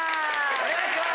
お願い致します。